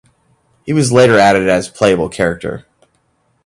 He was later added as playable character.